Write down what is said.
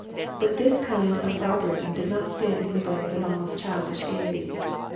But this kind of barbarism did not stand in the way of an almost childish gaiety.